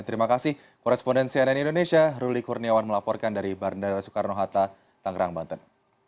terima kasih korresponden cnn indonesia ruly kurniawan melaporkan dari bandara soekarno hatta tanggerang banten